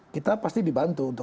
kita pasti dibantu untuk